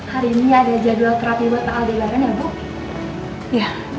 hari ini ada jadwal terapi buat aldilaban ya bu